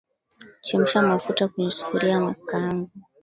Chemsha mafuta kwenye sufuria ama kikaango